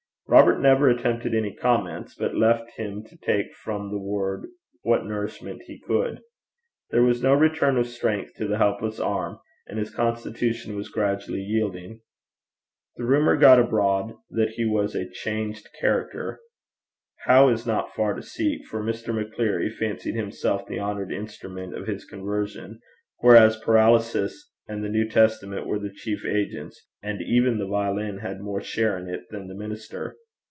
Robert never attempted any comments, but left him to take from the word what nourishment he could. There was no return of strength to the helpless arm, and his constitution was gradually yielding. The rumour got abroad that he was a 'changed character,' how is not far to seek, for Mr. Maccleary fancied himself the honoured instrument of his conversion, whereas paralysis and the New Testament were the chief agents, and even the violin had more share in it than the minister.